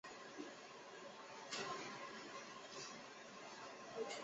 没有方向资讯的列车停靠以下月台。